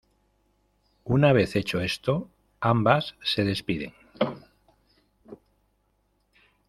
Una vez hecho esto, ambas se despiden.